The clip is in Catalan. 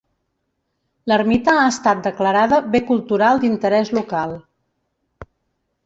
L'ermita ha estat declarada bé cultural d'interès local.